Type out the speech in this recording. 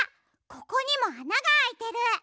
ここにもあながあいてる。